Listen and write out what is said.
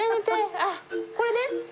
あっこれね。